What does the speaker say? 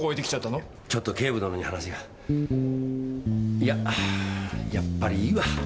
いややっぱりいいわ。